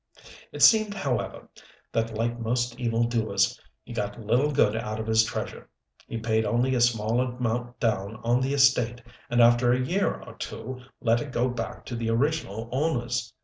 "It seemed, however, that like most evil doers, he got little good out of his treasure. He paid only a small amount down on the estate, and after a year or two let it go back to the original owners.